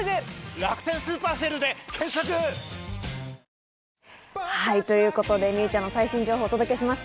「楽天スーパーＳＡＬＥ」で検索！ということで美羽ちゃんの最新情報をお届けしました。